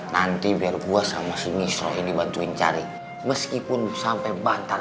nanti biar gua sama sini soal dibantuin cari meskipun sampai bantar